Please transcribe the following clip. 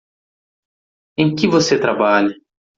Em que você trabalha.